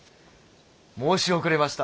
申し遅れました。